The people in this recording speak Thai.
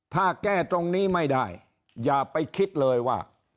ถ้าแก้ตรงนี้ไม่ได้อย่าไปคิดเลยว่า